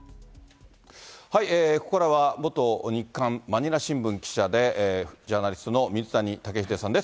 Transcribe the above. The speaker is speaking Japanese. ここからは、元日刊まにら新聞記者で、ジャーナリストの水谷竹秀さんです。